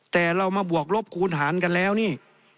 แต่เรามาบวกลบคูณหารกันแล้วนี่